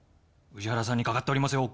宇治原さんにかかっておりますよ。